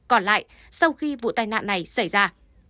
còn lại sau khi vụ tai nạn này xảy ra